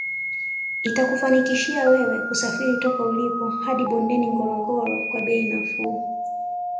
Itakufanikishia wewe kusafiri toka ulipo hadi bondeni Ngorongoro kwa bei nafuu